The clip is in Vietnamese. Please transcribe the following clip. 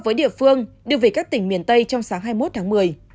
với địa phương đưa về các tỉnh miền tây trong sáng hai mươi một tháng một mươi